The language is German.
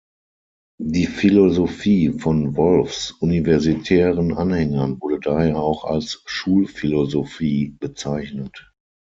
Die Philosophie von Wolffs universitären Anhängern wurde daher auch als "Schulphilosophie" bezeichnet.